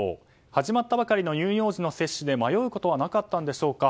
始まったばかりの乳幼児の接種で迷うことはなかったんでしょうか。